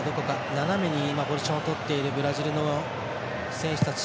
斜めにポジションを取っているブラジルの選手たち。